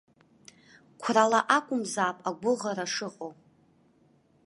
Қәрала акәымзаап аҟәыӷара шыҟоу.